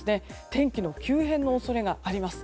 天気の急変の恐れがあります。